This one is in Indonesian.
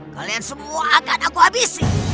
kalian semua akan aku habisi